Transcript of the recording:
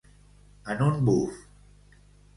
En un buf.